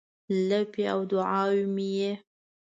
لپې او دوعا مې یې